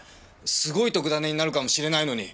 すごい特ダネになるかもしれないのに！